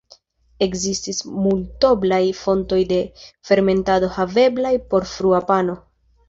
Ekzistis multoblaj fontoj de fermentado haveblaj por frua pano.